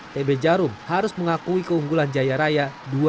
tb jarum harus mengakui keunggulan jaya raya dua tiga